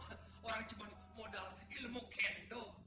orang cuma modal ilmu kendo